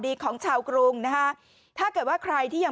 ของชาวกรุงนะฮะถ้าเกิดว่าใครที่ยัง